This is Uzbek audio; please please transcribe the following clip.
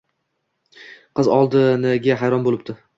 Qizcha oldiniga hayron boʻlibdi